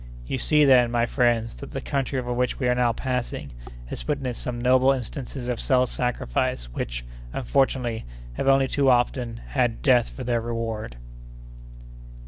You see, then, my friends, that the country over which we are now passing has witnessed some noble instances of self sacrifice which, unfortunately, have only too often had death for their reward."